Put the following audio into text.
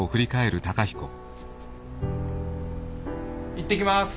行ってきます。